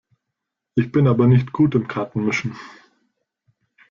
Ich bin aber nicht gut im Kartenmischen.